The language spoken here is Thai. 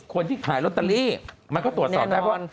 คนที่ขายลอตเตอรี่มันก็ตรวจสอบได้ว่า